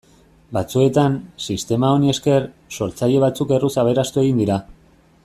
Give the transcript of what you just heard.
Batzuetan, sistema honi esker, sortzaile batzuk erruz aberastu egin dira.